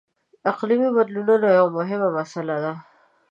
• اقلیمي بدلون یوه مهمه مسله ده.